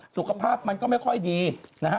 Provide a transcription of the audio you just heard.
สุขภาพมันก็ไม่ค่อยดีนะฮะ